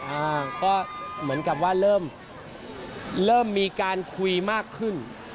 อ่าก็เหมือนกับว่าเริ่มเริ่มมีการคุยมากขึ้น